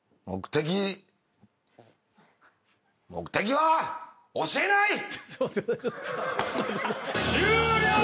「目的は教えない！」